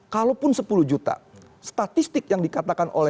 kalaupun sepuluh juta statistik yang dikatakan oleh